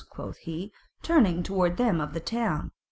quoth he, turning toward them of the town.